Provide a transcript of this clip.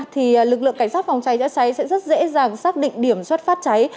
thì lực lượng cảnh sát phòng cháy chữa cháy sẽ rất dễ dàng xác định điểm xuất phát cháy